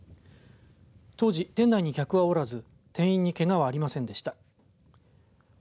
当時、店内に客はおらず店員にけがはありませんでした。